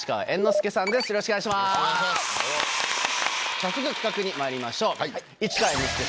早速企画にまいりましょう。